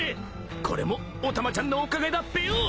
これもお玉ちゃんのおかげだっぺよ。